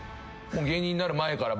芸人になる前から。